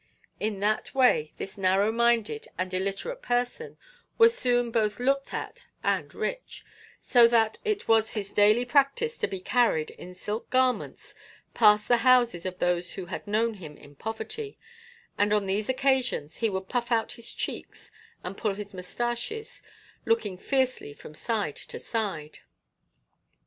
In that way this narrow minded and illiterate person was soon both looked at and rich, so that it was his daily practice to be carried, in silk garments, past the houses of those who had known him in poverty, and on these occasions he would puff out his cheeks and pull his moustaches, looking fiercely from side to side.